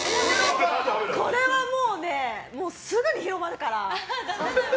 これはもうね、すぐに広まるから。